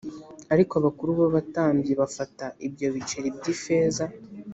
Ariko abakuru b’abatambyi bafata ibyo biceri by’ifeza